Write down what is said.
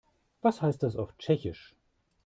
Was heißt das auf Tschechisch?